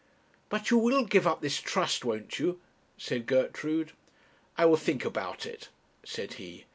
'But you will give up this trust, won't you?' said Gertrude. 'I will think about it,' said he.